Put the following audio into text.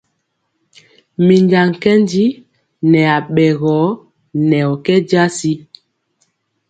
Minja nkɛnji nɛ aɓɛgɔ nɛ ɔ kɛ jasi.